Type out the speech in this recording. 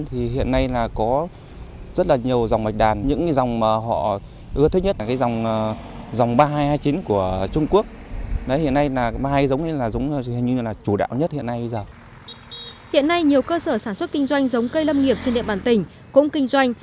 hiện nay nhiều cơ sở sản xuất kinh doanh giống cây lâm nghiệp trên địa bàn tỉnh cũng kinh doanh